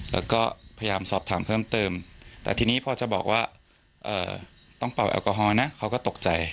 แล้วก็พยายามสอบถามเพิ่มเติมแต่ทีนี้พอจะบอกว่าต้องเป่าแอลกอฮอลนะเขาก็ตกใจ